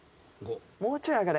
もうちょい上がれ。